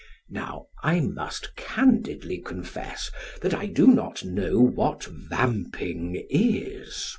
Now I must candidly confess that I do not know what "vamping" is.